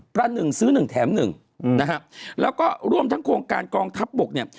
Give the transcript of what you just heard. ประหนึ่งซื้อหนึ่งแถมหนึ่งนะฮะแล้วก็รวมทั้งโครงการกองทัพบกเนี่ย